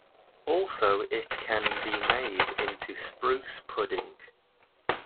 Also it can be made into spruce pudding.